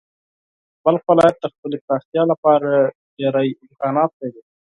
بلخ ولایت د خپلې پراختیا لپاره ډېری امکانات لري.